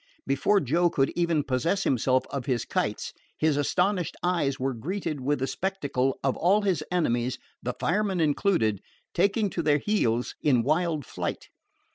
Before Joe could even possess himself of his kites, his astonished eyes were greeted with the spectacle of all his enemies, the fireman included, taking to their heels in wild flight.